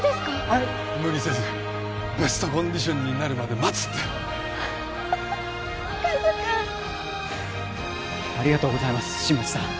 はい無理せずベストコンディションになるまで待つってカズ君ありがとうございます新町さん